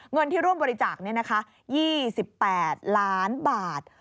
เงินที่ร่วมบริจาคนี่นะคะ๒๘ล้านบาท